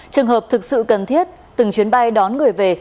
trường hợp thực sự cần thiết từng chuyến bay đón người về